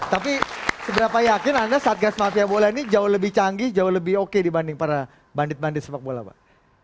tapi seberapa yakin anda satgas mafia bola ini jauh lebih canggih jauh lebih oke dibanding para bandit bandit sepak bola pak